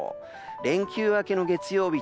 連休明けの月曜日